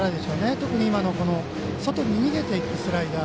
特に外に逃げていくスライダー